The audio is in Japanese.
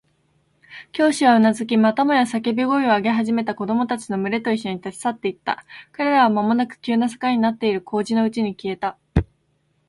教師はうなずき、またもや叫び声を上げ始めた子供たちのむれといっしょに、立ち去っていった。彼らはまもなく急な坂になっている小路のうちに消えた。